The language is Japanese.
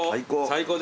最高。